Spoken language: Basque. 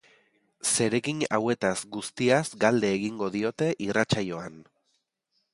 Zeregin hauetaz guztiaz galde egingo diote irratsaioan.